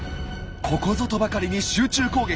ここぞとばかりに集中攻撃！